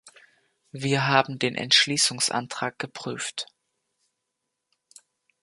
Wir haben den Entschließungsantrag geprüft.